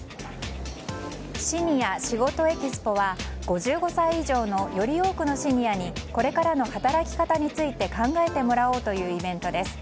シニアしごとＥＸＰＯは５５歳以上のより多くのシニアにこれからの働き方について考えてもらおうというイベントです。